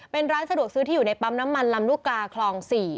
เป็นร้านสะดวกซื้อที่อยู่ในปั๊มน้ำมันลำลูกกาคลอง๔